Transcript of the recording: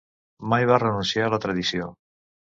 Mai va renunciar a la tradició.